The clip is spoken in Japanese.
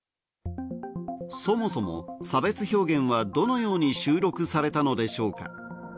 そもそも差別表現はどのように収録されたのでしょうか。